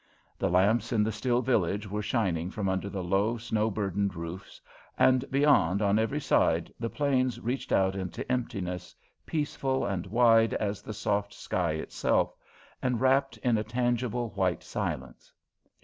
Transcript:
The lamps in the still village were shining from under the low, snow burdened roofs; and beyond, on every side, the plains reached out into emptiness, peaceful and wide as the soft sky itself, and wrapped in a tangible, white silence.